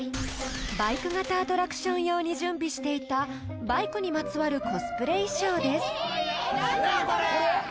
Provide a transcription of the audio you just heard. ［バイク型アトラクション用に準備していたバイクにまつわるコスプレ衣装です］